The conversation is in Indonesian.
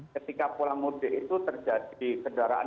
ketika pulang mudik itu terjadi kendaraan yang bergesak gesakan